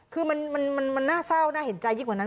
คือมันน่าเศร้าน่าเห็นใจยิ่งกว่านั้น